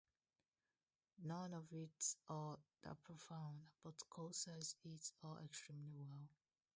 None of it's all that profound, but Cole sells it all extremely well.